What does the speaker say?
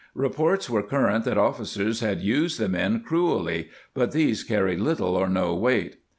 Re ports were current that officers had used the men cruelly, but these carried little or no weight.